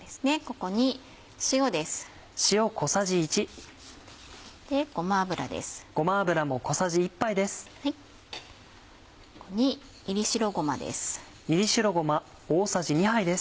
ここに炒り白ごまです。